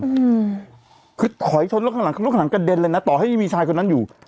อืมคือถอยชนรถข้างหลังรถข้างหลังกระเด็นเลยนะต่อให้มีชายคนนั้นอยู่